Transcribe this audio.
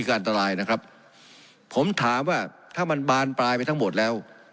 คืออันตรายนะครับผมถามว่าถ้ามันบานปลายไปทั้งหมดแล้ว